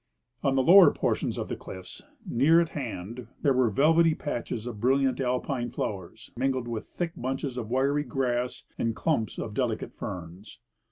On the lower portions of the cliffs, near at hand, there were velvety patches of brilliant Alpine flowers mingled with thick bunches of wiry grass and clumj^s of delicate ferns.